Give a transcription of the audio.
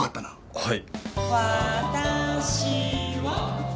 はい。